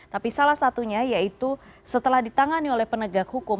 tapi salah satunya yaitu setelah ditangani oleh penegak hukum